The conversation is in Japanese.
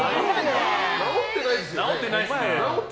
直ってないですよ。